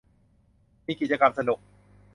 มีกิจกรรมสนุก